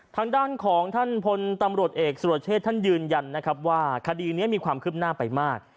ทางด้านของท่านพลตำรวจเอกสุรเชษท่านยืนยันนะครับว่าคดีนี้มีความคืบหน้าไปมาก